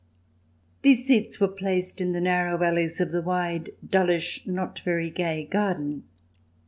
These seats were placed in the narrow alleys of the wide, dullish, not very gay garden.